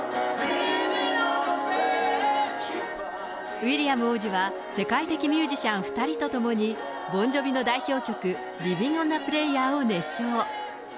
ウィリアム王子は世界的ミュージシャン２人と共に、ボン・ジョヴィの代表曲、リビング・オン・ア・プレーヤーを熱唱。